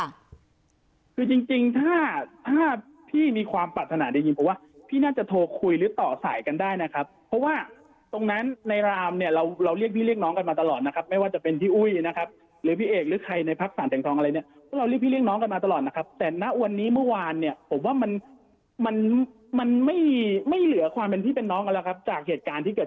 คุณกิศนะตอนที่ฉันฟังคุณธินากรบอกว่าความตั้งใจของคุณธินากรบอกว่าคุณธินากรบอกว่าคุณธินากรบอกว่าคุณธินากรบอกว่าคุณธินากรบอกว่าคุณธินากรบอกว่าคุณธินากรบอกว่าคุณธินากรบอกว่าคุณธินากรบอกว่าคุณธินากรบอกว่าคุณธินากรบอกว่าคุณธินากรบอกว่าคุณธินากรบ